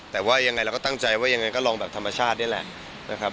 แต่ว่ายังไงเราก็ตั้งใจว่ายังไงก็ลองแบบธรรมชาตินี่แหละนะครับ